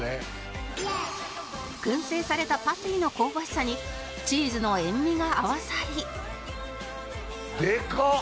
燻製されたパティの香ばしさにチーズの塩味が合わさりでかっ！